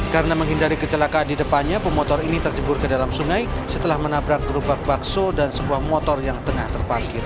karena menghindari kecelakaan di depannya pemotor ini terjebur ke dalam sungai setelah menabrak gerobak bakso dan sebuah motor yang tengah terparkir